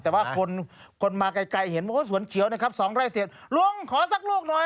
แต่ว่าคนมาไกลเห็นว่าสวนเขียวนะครับ๒ไร่เศษลุงขอสักลูกหน่อย